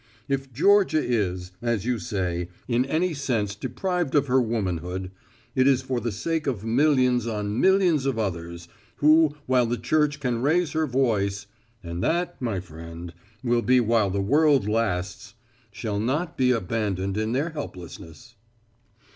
If Georgia is, as you say in any sense deprived of her womanhood, it is for the sake of millions on millions of others, who while the Church can raise her voice and that, my friend, will be while the world lasts shall not be abandoned in their helplessness."